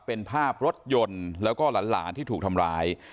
เป็นภาพรถยนต์แล้วก็หลานที่ถูกทำร้าย